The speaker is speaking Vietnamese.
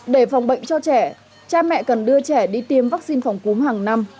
để phòng bệnh cho trẻ cha mẹ cần đưa trẻ đi tiêm vaccine phòng cúm hàng năm